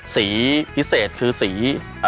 สีพิเศษคือสี